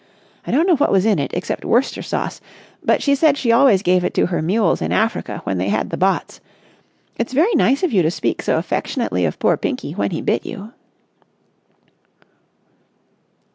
I don't know what was in it except Worcester Sauce, but she said she always gave it to her mules in Africa when they had the botts ... it's very nice of you to speak so affectionately of poor Pinky when he bit you."